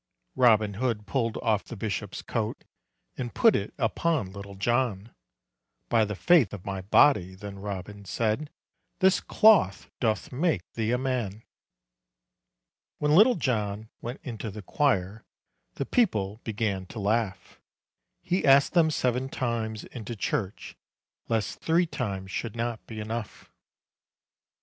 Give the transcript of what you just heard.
Robin Hood pull'd off the bishop's coat, And put it upon Little John; "By the faith of my body," then Robin said, "This cloth doth make thee a man." When Little John went into the quire, The people began to laugh; He asked them seven times into church, Lest three times should not be enough.